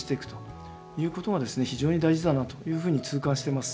非常に大事だなというふうに痛感してます。